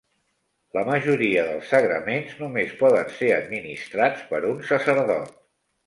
La majoria dels sagraments només poden ser administrats per un sacerdot.